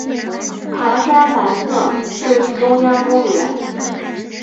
糖山南侧就是中央公园。